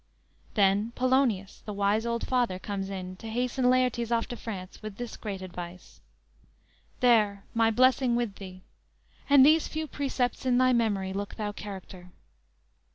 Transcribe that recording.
"_ Then Polonius, the wise old father, comes in to hasten Laertes off to France, with this great advice: _"There, my blessing with thee! And these few precepts in thy memory Look thou character.